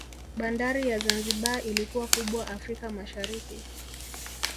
Bandari ya Zanzibar ilikuwa kubwa Afrika Mashariki